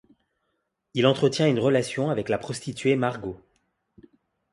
Il entretient une relation avec la prostituée Margot.